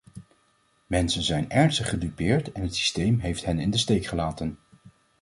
Mensen zijn ernstig gedupeerd en het systeem heeft hen in de steek gelaten.